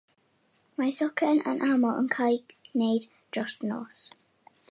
Mae socian yn aml yn cael ei wneud dros nos.